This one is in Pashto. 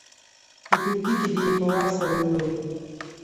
په ټولګي کې دې یې په وار سره ووايي.